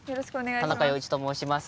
田中洋一と申します。